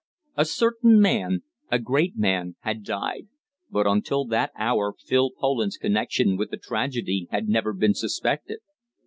A certain man a great man had died, but until that hour Phil Poland's connection with the tragedy had never been suspected.